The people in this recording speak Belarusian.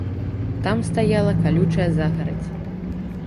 Там стаяла калючая загарадзь.